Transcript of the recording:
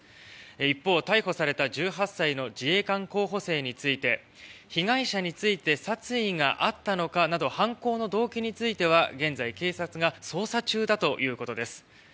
一方、逮捕された１８歳の自衛官候補生について被害者について殺意があったのかなど犯行の動機については現在、警察が捜査中だということです。